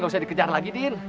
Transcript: nggak usah dikejar lagi din